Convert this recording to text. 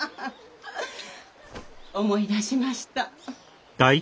思い出しました。